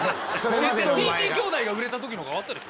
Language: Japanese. ＴＴ兄弟が売れた時のほうが上がったでしょ。